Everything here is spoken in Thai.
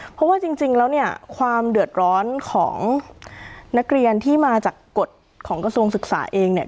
เพราะว่าจริงแล้วเนี่ยความเดือดร้อนของนักเรียนที่มาจากกฎของกระทรวงศึกษาเองเนี่ย